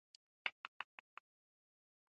نرم یا خفیف خج لږ زور لري.